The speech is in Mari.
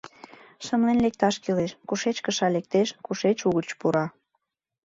Шымлен лекташ кӱлеш: кушеч кыша лектеш, кушеч угыч пура...»